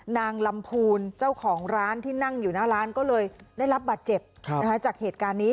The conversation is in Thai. นางลำพูนเจ้าของร้านที่นั่งอยู่หน้าร้านก็เลยได้รับบัตรเจ็บจากเหตุการณ์นี้